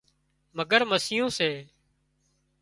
مگرمسيون سي